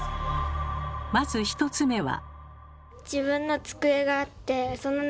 まず１つ目は。